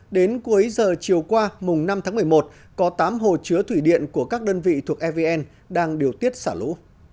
đến cuối giờ chiều qua mùng năm tháng một mươi một có tám hồ chứa thủy điện của các đơn vị thuộc evn đang điều tiết xả lũ